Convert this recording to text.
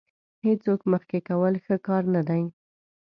هېڅوک مخکې کول ښه کار نه دی.